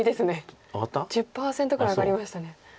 １０％ぐらい上がりましたね。